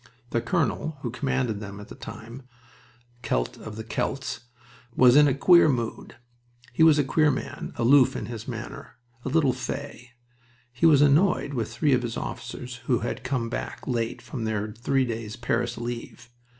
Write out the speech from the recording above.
The colonel who commanded them at the time, Celt of the Celts, was in a queer mood. He was a queer man, aloof in his manner, a little "fey." He was annoyed with three of his officers who had come back late from three days' Paris leave.